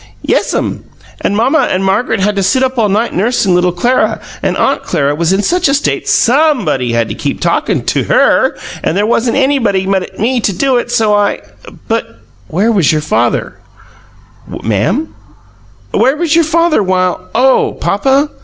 "Yes'm, and mamma and Margaret had to sit up all night nursin' little Clara and AUNT Clara was in such a state SOMEBODY had to keep talkin' to HER, and there wasn't anybody but me to do it, so I " "But where was your father?" she cried. "Ma'am?" "Where was your father while " "Oh papa?"